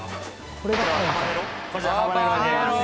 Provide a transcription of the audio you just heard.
こちらハバネロになります